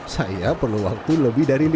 saya perlu waktu lebih dari lima belas menit